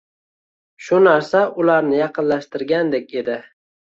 Shu narsa ularni yaqinlashtirgandek edi.